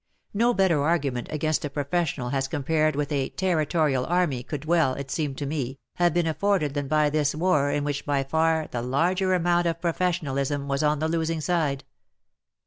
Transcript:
No better argument against a professional as compared with a ''territorial" army could well, it seemed to me, have been afforded than by this war in which by far the larger amount of professionalism was on the losing side.